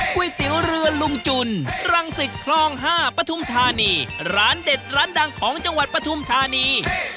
ก๋วยเตี๋ยวเรือลุงจุนรังสิตคลอง๕ปทุมธานีร้านเด็ดร้านดังของจังหวัดปฐุมธานี